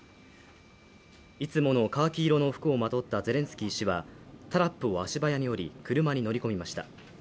いつものカーキ色の服をまとったゼレンスキー氏はタラップを足早に降り、車に乗り込みました。